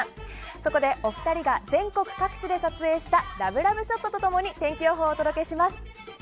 そこで２人が全国各地で撮影したラブラブショットと共に天気予報をお届けします。